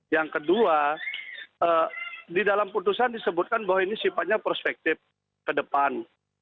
yang kedua di dalam putusan disebutkan bahwa ini sifatnya prospektif ke depan